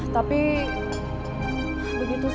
tapi begitu aja